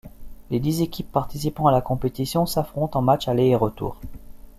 Les dix équipes participant à la compétition s'affrontent en matchs aller et retour.